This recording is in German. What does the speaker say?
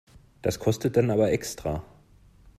Das kostet dann aber extra.